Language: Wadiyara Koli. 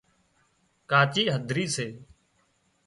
ڪاچي هڌرِي سي